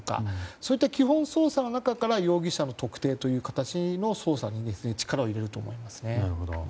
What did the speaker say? そういった基本捜査の中から容疑者の特定という捜査に力を入れると思いますね。